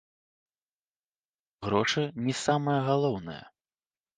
Грошы не самае галоўнае.